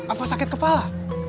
apa sakit kepala